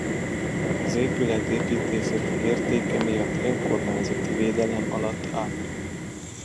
Az épület építészeti értéke miatt önkormányzati védelem alatt áll.